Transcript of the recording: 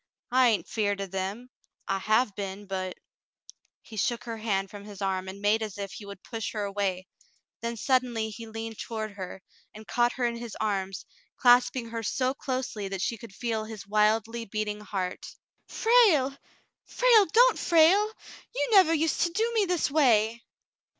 "I hain't afeared o' them. I hev been, but —" He shook her hand from his arm and made as if he would push her away, then suddenly he leaned toward her and caught Frale*s Confession 43 her in his arms, clasping her so closely that she could feel his wildly beating heart. "Frale, Frale ! Don't, Frale. You never used to do me this way."